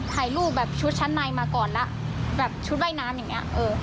ถ่ายรูปแบบชุดชั้นในมาก่อนแล้วแบบชุดว่ายน้ำอย่างเงี้เออ